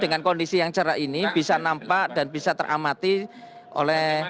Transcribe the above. dengan kondisi yang cerah ini bisa nampak dan bisa teramati oleh